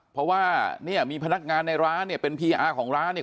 เพราะว่าเนี่ยมีพนักงานในร้านเนี่ยเป็นพีอาร์ของร้านเนี่ย